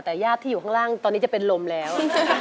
แต่ญาติที่อยู่ข้างล่างตอนนี้จะเป็นลมแล้ว